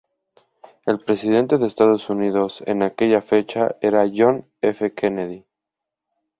El presidente de Estados Unidos en aquella fecha era John F. Kennedy.